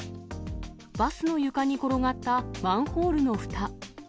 バスの床に転がったマンホールのふた。